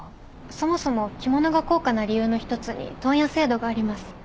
そもそも着物が高価な理由の１つに問屋制度があります。